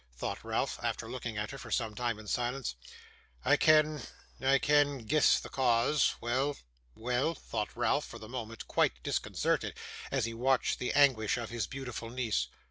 thought Ralph, after looking at her for some time in silence. 'I can I can guess the cause. Well! Well!' thought Ralph for the moment quite disconcerted, as he watched the anguish of his beautiful niece.